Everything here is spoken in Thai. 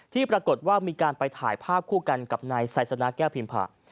ที่ปรากฏว่ามีการไปถ่ายภาพคู่กันกับนายไซสนาแก้วพิมผะ